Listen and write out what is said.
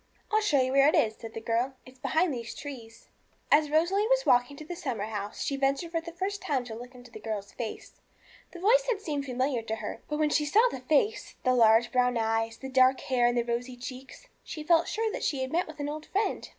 'I'll show you where it is,' said the girl; 'it's behind these trees.' As Rosalie was walking to the summer house, she ventured for the first time to look into the girl's face. The voice had seemed familiar to her; but when she saw the face, the large brown eyes, the dark hair, and the rosy cheeks, she felt sure that she had met with an old friend.